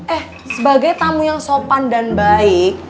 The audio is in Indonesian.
eh sebagai tamu yang sopan dan baik